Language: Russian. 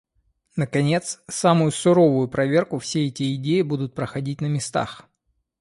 Наконец, самую суровую проверку все эти идеи будут проходить на местах.